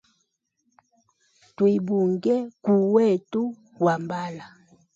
Twibunge kuu wetu wambala.